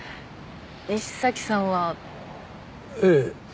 西崎さんは？ええ。